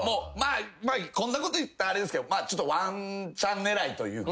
こんなこと言ったらあれですけどワンチャン狙いというか。